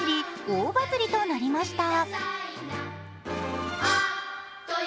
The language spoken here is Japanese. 大バズりとなりました。